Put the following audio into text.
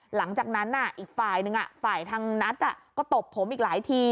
หลังจากนั้นอีกฝ่ายหนึ่งฝ่ายทางนัทก็ตบผมอีกหลายที